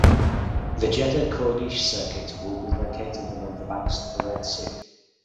The Jeddah Corniche Circuit will be located along the banks of the Red Sea.